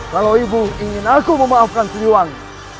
kalau ibu ingin aku memaafkan siliwangi